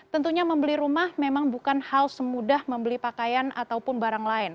tentunya membeli rumah memang bukan hal semudah membeli pakaian ataupun barang lain